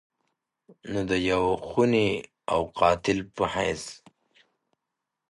نو د يو خوني او قاتل په حېث